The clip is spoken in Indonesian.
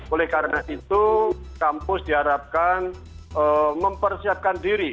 oleh karena itu kampus diharapkan mempersiapkan diri